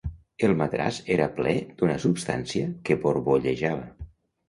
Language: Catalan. El matràs era ple d'una substància que borbollejava.